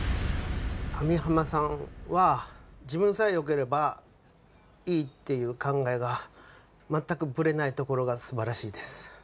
網浜さんは自分さえよければいいっていう考えが全くブレないところがすばらしいです。